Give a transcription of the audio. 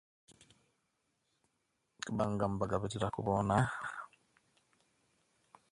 Kibanga mbagabati bawona.